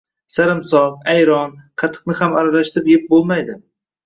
Sarimsoq, ayron, qatiqni ham aralashtirib yeb bo‘lmaydi.